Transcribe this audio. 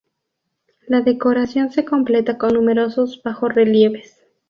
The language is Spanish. La decoración se completa con numerosos bajorrelieves.